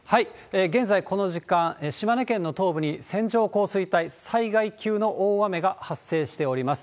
現在、この時間、島根県の東部に線状降水帯、災害級の大雨が発生しております。